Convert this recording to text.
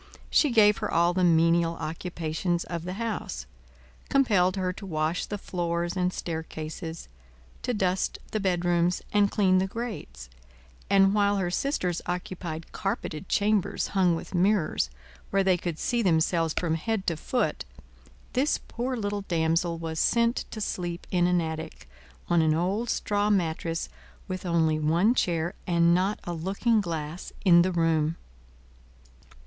She gave her all the menial occupations of the house; compelled her to wash the floors and staircases; to dust the bedrooms, and clean the grates; and while her sisters occupied carpeted chambers hung with mirrors, where they could see themselves from head to foot, this poor little damsel was sent to sleep in an attic, on an old straw mattress, with only one chair and not a looking glass in the room.